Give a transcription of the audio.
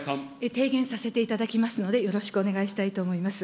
提言させていただきますので、よろしくお願いしたいと思います。